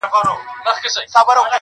سندره پکښې قيد ده او اتڼ پکښې بندى دى